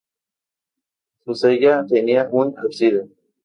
Su cella tenía un ábside.